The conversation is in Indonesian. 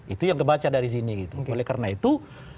itu yang terbaca dari sini oleh karena itu